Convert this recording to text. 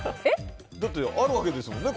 だって、あるわけですもんね